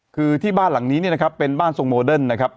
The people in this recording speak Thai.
คือที่บ้านหลังนี้เนี่ยนะครับเป็นบ้านทรงโมเดิร์นนะครับ